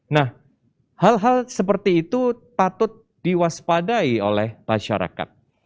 nah hal hal seperti itu patut diwaspadai oleh masyarakat